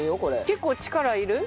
結構力いる？